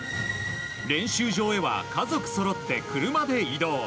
練習場へは家族そろって車で移動。